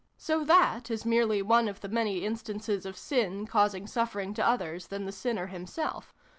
So that is merely one of the many instances of Sin causing suffering to others than the Sinner himself.